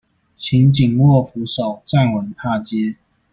請緊握扶手站穩踏階